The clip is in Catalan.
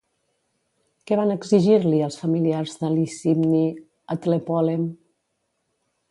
Què van exigir-li els familiars de Licimni a Tlepòlem?